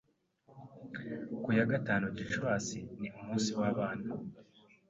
Ku ya gatanu Gicurasi ni umunsi w'abana.